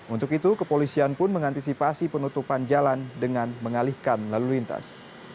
untuk itu kepolisian pun mengantisipasi penutupan jalan dengan mengalihkan lalu lintas